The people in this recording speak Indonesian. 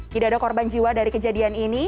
tidak ada korban jiwa dari kejadian ini